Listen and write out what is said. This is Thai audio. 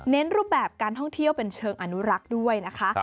รูปแบบการท่องเที่ยวเป็นเชิงอนุรักษ์ด้วยนะคะ